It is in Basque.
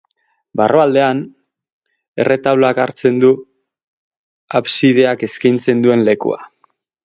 Barrualdean, erretaulak hartzen du absideak eskaintzen duen lekua.